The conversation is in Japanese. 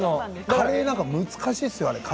カレーなんか難しいですよ。